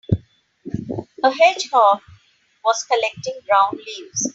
A hedgehog was collecting brown leaves.